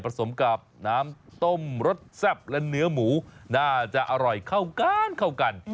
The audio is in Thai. สมกับน้ำต้มรสแซ่บและเนื้อหมูน่าจะอร่อยเข้ากันเข้ากัน